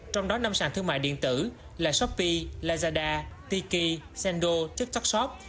trong đó năm sàn thương mại điện tử là shopee lazada tiki sendo tiktok shop